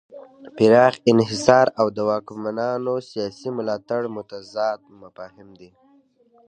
پراخ انحصار او د واکمنانو سیاسي ملاتړ متضاد مفاهیم دي.